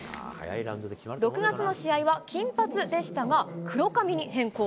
６月の試合は金髪でしたが、黒髪に変更。